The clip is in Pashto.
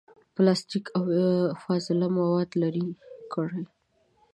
پلاستیک، او فاضله مواد لرې کړي.